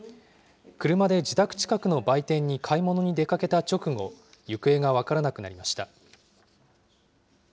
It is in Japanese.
車で自宅近くの売店に買い物に出かけた直後、行方が分からなくなりました。